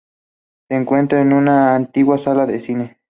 Se encuentra en una antigua sala de cine.